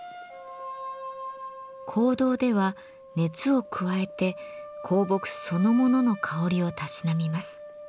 香道では熱を加えて香木そのものの香りをたしなみます。